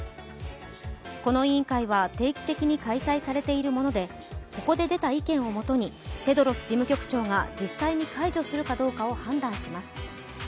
この委員会は定期的に開催されているものでここで出た意見をもとにテドロス事務局長が実際に解除するかを判断します。